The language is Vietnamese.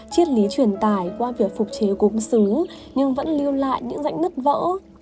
chiết lý truyền tải qua việc phục chế cúng xứ nhưng vẫn lưu lại những rãnh đất vỡ